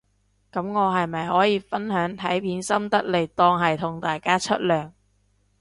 噉我係咪可以分享睇片心得嚟當係同大家出糧